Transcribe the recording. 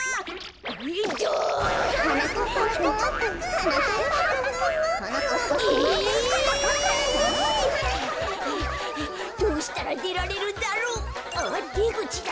はあはあどうしたらでられるんだろう？あっでぐちだ。